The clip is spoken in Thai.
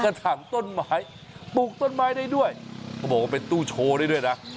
ถังต้นไม้ปลูกต้นไม้ได้ด้วยเขาบอกว่าเป็นตู้โชว์ได้ด้วยนะ